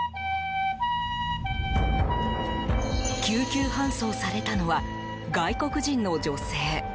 救急搬送されたのは外国人の女性。